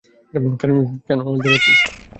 কেন লজ্জা পাচ্ছিস?